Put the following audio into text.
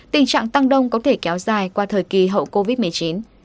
tình trạng tăng đông có thể kéo dài qua thời kỳ hậu covid một mươi chín